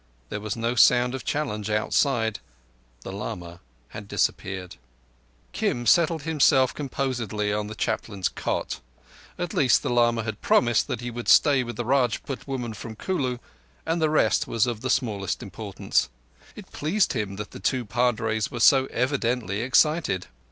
There was no sound of challenge outside. The lama had disappeared. Kim settled himself composedly on the Chaplain's cot. At least the lama had promised that he would stay with the Raiput woman from Kulu, and the rest was of the smallest importance. It pleased him that the two padres were so evidently excited.